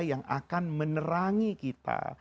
yang akan menerangi kita